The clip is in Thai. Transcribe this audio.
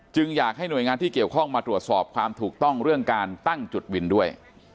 อยากให้หน่วยงานที่เกี่ยวข้องมาตรวจสอบความถูกต้องเรื่องการตั้งจุดวินด้วย